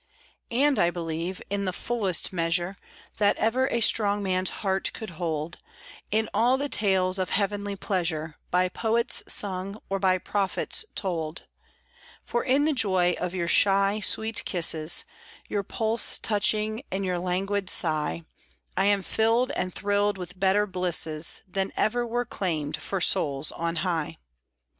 And I believe, in the fullest measure That ever a strong man's heart could hold, In all the tales of heavenly pleasure By poets sung or by prophets told; For in the joy of your shy, sweet kisses, Your pulsing touch and your languid sigh I am filled and thrilled with better blisses Than ever were claimed for souls on high.